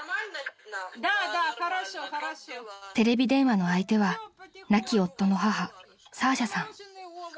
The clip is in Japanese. ［テレビ電話の相手は亡き夫の母サーシャさん］